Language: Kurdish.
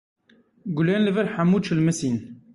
Gulên li vir hemû çilmisîn.